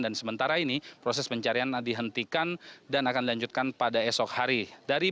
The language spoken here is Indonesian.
dan sementara ini proses pencarian dihentikan dan akan dilanjutkan pada esok hari